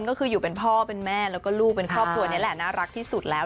มันคือเรื่องส่วนตัวอันนี้คือเราจะไม่ยุ่งเกี่ยวกัน